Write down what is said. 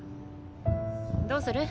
どうする？